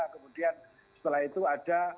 kemudian setelah itu ada